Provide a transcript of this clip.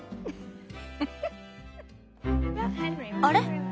あれ？